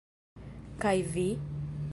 Kaj vi..?